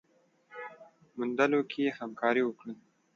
موندلو کي يې همکاري وکړئ